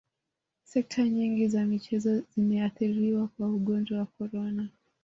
sekta nyingi za michezo zimeathiriwa kwa ugonjwa wa corona